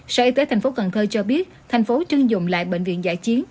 sở y tế thành phố cần thơ cho biết thành phố trưng dùng lại bệnh viện giải chiến